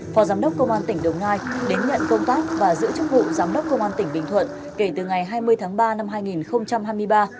phó giám đốc công an tỉnh đồng nai đến nhận công tác và giữ chức vụ giám đốc công an tỉnh bình thuận kể từ ngày hai mươi tháng ba năm hai nghìn hai mươi ba